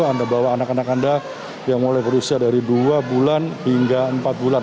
anda bawa anak anak anda yang mulai berusia dari dua bulan hingga empat bulan